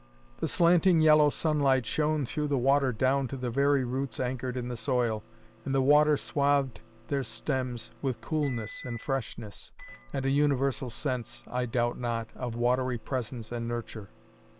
The slanting yellow sunlight shone through the water down to the very roots anchored in the soil, and the water swathed their stems with coolness and freshness, and a universal sense, I doubt not, of watery presence and nurture.